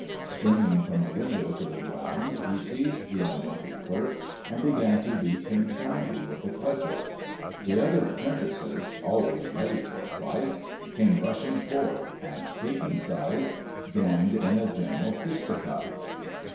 Springing from the window to the ground he seized the unlucky clerk and began to beat him soundly with a cudgel. The other apprentices, always ready for a fight, came rushing forth and, taking sides, joined in a general fisticuff.